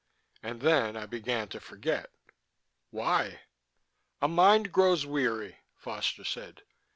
And then I began to forget." "Why?" "A mind grows weary," Foster said.